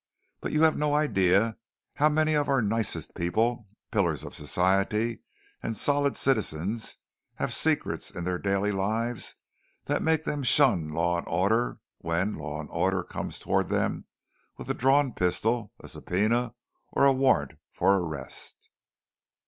But you have no idea of how many of our Nicest People, Pillars of Society, and Solid Citizens have secrets in their daily lives that make them shun Law and Order when Law and Order comes toward them with a drawn pistol, a subpoena, or a warrant for arrest."